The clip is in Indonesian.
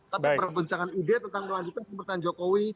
tapi perbincangan ide tentang melanjutkan pemerintahan jokowi